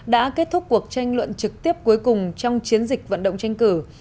đã kết thúc cuộc tranh luận trực tiếp cuối cùng trong chiến dịch vận động tranh cử